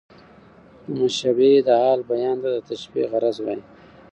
د مشبه د حال بیان ته د تشبېه غرض وايي.